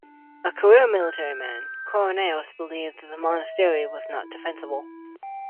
A career military man, Koronaios believed that the monastery was not defensible.